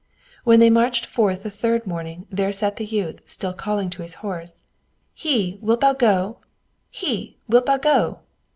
When they marched forth the third morning there sat the youth calling to his horse, "Hie! wilt thou go? hie! wilt thou go?"